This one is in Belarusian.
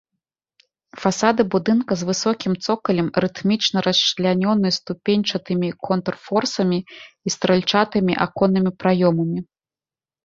Фасады будынка з высокім цокалем рытмічна расчлянёны ступеньчатымі контрфорсамі і стральчатымі аконнымі праёмамі.